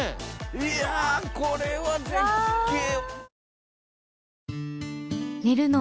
いやこれは絶景。